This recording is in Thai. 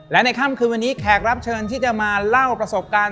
และในค่ำคืนวันนี้แขกรับเชิญที่จะมาเล่าประสบการณ์